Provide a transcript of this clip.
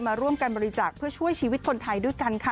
มาร่วมกันบริจาคเพื่อช่วยชีวิตคนไทยด้วยกันค่ะ